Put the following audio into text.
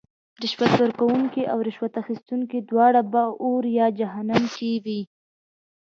رشوت ورکوونکې او رشوت اخیستونکې دواړه به اور یا جهنم کې وی .